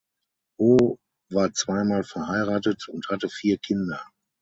Ho war zwei Mal verheiratet und hatte vier Kinder.